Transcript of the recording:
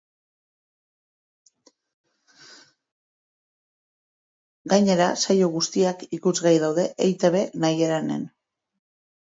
Gainera, saio guztiak ikusgai daude eitb nahieran-en.